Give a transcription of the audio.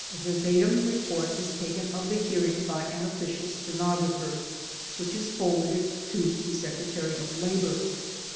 A verbatim report is taken of the hear ing by an official stenographer which is forwarded to the Secretary of Labor.